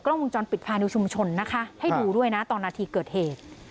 ลวงจรปิดภายในชุมชนนะคะให้ดูด้วยนะตอนนาทีเกิดเหตุ